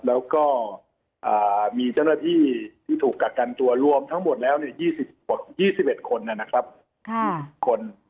แล้วก็มีเจ้าหน้าที่ที่ถูกกักกันตัวรวมทั้งหมดแล้ว๒๑คนนะครับ๒๐คน